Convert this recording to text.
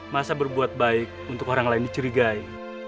masa berbuat baik untuk orang lain dicurigai